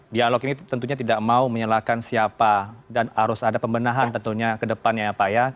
dialog ini tentunya tidak mau menyalahkan siapa dan harus ada pembenahan tentunya ke depannya ya pak ya